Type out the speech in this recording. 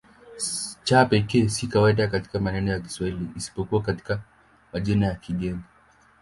C peke yake si kawaida katika maneno ya Kiswahili isipokuwa katika majina ya kigeni.